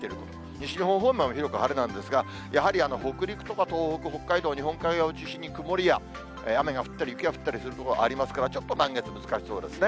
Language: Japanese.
西日本方面も広く晴れなんですが、やはり北陸とか東北、北海道、日本海側を中心に曇りや雨が降ったり、雪が降ったりする所ありますから、ちょっと満月難しそうですね。